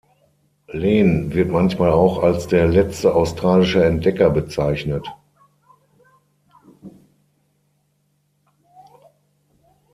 Len wird manchmal auch als der „letzte australische Entdecker“ bezeichnet.